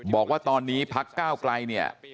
บอกว่าตอนนี้พักก้าวไกลเนี่ย